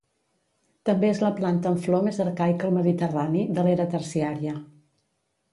També és la planta amb flor més arcaica al Mediterrani, de l'era terciària.